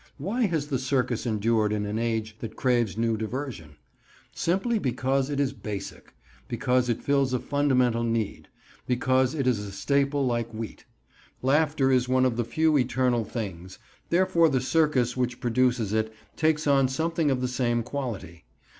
Why has the circus endured in an age that craves new diversion? Simply because it is basic; because it fills a fundamental need; because it is a staple like wheat. Laughter is one of the few eternal things; therefore the circus which produces it takes on something of the same quality.